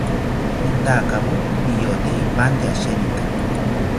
Nitakawo niyote ipante asheninka